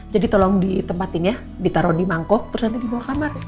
jadi tolong ditempatin ya ditaro di mangkok terus nanti dibawa ke kamar